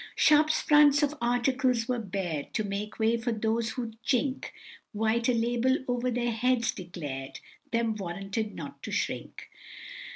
Shop fronts of articles were bared, To make way for those who'd chink, While a label over their heads declar'd Them 'warranted not to shrink.